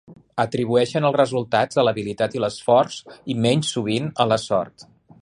Atribueixen els resultats a l'habilitat i l'esforç i menys sovint a la sort.